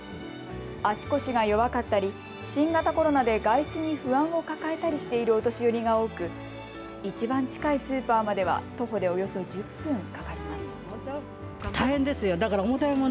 足腰が弱かったり新型コロナで外出に不安を抱えたりしているお年寄りが多く、いちばん近いスーパーまでは徒歩でおよそ１０分かかります。